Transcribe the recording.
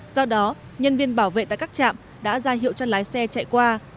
do đó nhân viên bảo vệ tại các trạm đã ra hiệu cho lái xe chạy qua